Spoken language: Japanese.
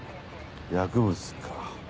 薬物か。